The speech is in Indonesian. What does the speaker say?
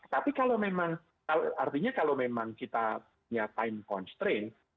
tapi kalau memang artinya kalau memang kita punya time constraint